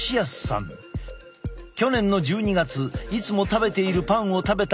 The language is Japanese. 去年の１２月いつも食べているパンを食べた